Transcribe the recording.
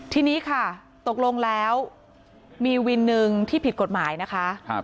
ทีนี้ค่ะตกลงแล้วมีวินหนึ่งที่ผิดกฎหมายนะคะ